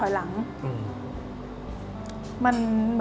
หลังจากเมื่อแม่